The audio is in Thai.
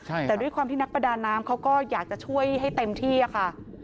แต่ด้วยความที่นักประดาน้ำเขาก็อยากจะช่วยให้เต็มที่อะค่ะ